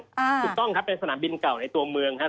ถูกต้องครับเป็นสนามบินเก่าในตัวเมืองครับ